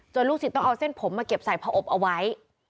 ลูกศิษย์ต้องเอาเส้นผมมาเก็บใส่ผอบเอาไว้